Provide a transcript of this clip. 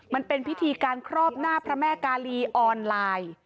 มันเป็นพิธีการครอบหน้าพระแม่กาลีออนไลน์